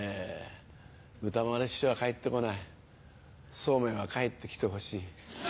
歌丸師匠が帰ってこないそうめんは帰ってきてほしい。